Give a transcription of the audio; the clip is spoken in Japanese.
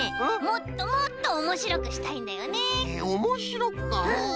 もっともっとおもしろくしたいんだよね。おもしろくか？